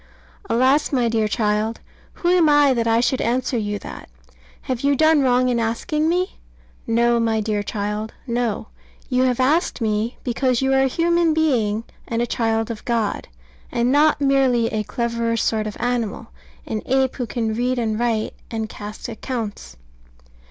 Alas, my dear child! who am I that I should answer you that? Have you done wrong in asking me? No, my dear child; no. You have asked me because you are a human being and a child of God, and not merely a cleverer sort of animal, an ape who can read and write and cast accounts.